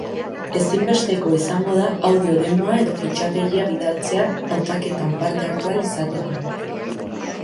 Ezinbesteko izango da audio demoa edo fitxategia bidaltzea hautaketan parte hartu ahal izateko.